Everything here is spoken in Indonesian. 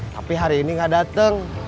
tapi hari ini gak datang